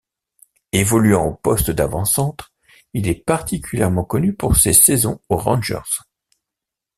Évoluant au poste d'avant-centre, il est particulièrement connu pour ses saisons aux Rangers.